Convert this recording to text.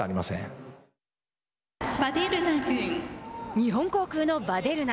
日本航空のヴァデルナ。